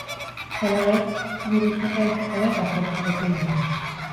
Halaber, gurutzeta digitala eta zortzi botoi ditu.